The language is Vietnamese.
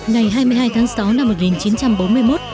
ngày hai mươi hai tháng sáu năm một nghìn chín trăm bốn mươi một